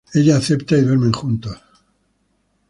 Ella acepta y duermen juntos.